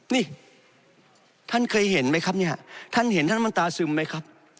นี่ท่านเคยเห็นไหมครับเนี่ยท่านเห็นท่านมันตาซึมไหมครับ